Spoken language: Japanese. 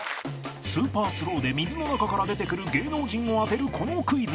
スーパースローで水の中から出てくる芸能人を当てるこのクイズ